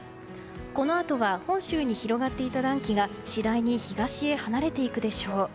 このあとは本州に広がっていた暖気が次第に東へ離れていくでしょう。